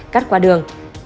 cắt qua đường